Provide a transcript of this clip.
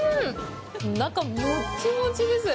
中、もっちもちです。